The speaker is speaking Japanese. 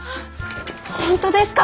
本当ですか！？